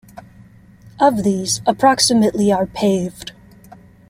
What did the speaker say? Of these, approximately are paved.